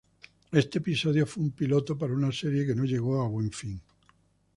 Este episodio fue un piloto para una serie que no llegó a buen fin.